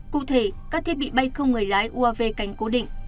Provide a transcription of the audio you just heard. cụ thể các thiết bị bay không người lái uav cánh cố định